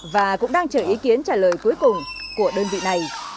và cũng đang chờ ý kiến trả lời cuối cùng của đơn vị này